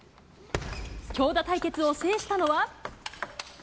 強打対決を制したのは。